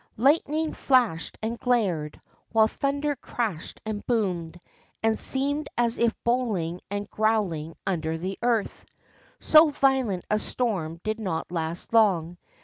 Lightning flashed and glared, while thunder crashed and boomed, and seemed as if bowling and growling under the earth. So violent a storm did not last long.